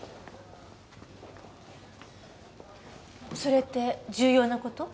それって重要な事？